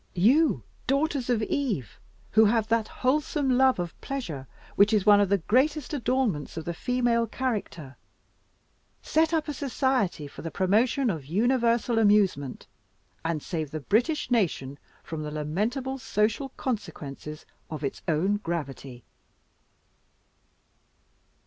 You, daughters of Eve, who have that wholesome love of pleasure which is one of the greatest adornments of the female character, set up a society for the promotion of universal amusement, and save the British nation from the lamentable social consequences of its own gravity!"